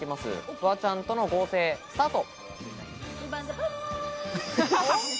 フワちゃんとの合成スタート！